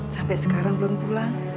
sampai sekarang belum pulang